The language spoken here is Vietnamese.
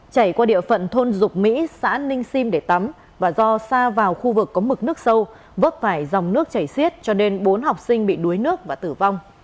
chảy qua địa phận thôn dục mỹ xã ninh sim để tắm và do xa vào khu vực có mực nước sâu vớt phải dòng nước chảy xiết cho nên bốn học sinh bị đuối nước và tử vong